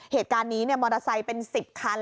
เหตุการณ์นี้มอเตอร์ไซค์เป็น๑๐คัน